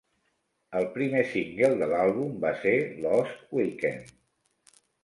El primer single de l'àlbum va ser "Lost Weekend".